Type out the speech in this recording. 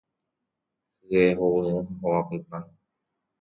Hye hovyũ ha hova pytã